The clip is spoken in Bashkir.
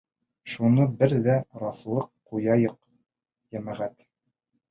Шуны беҙ ҙә раҫлап ҡуяйыҡ, йәмәғәт.